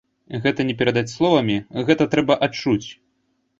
Гэта не перадаць словамі, гэта трэба адчуць.